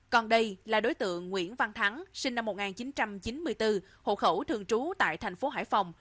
còn đây là đối tượng nguyễn văn thắng sinh năm một nghìn chín trăm chín mươi bốn hộ khẩu thường trú tại thành phố hải phòng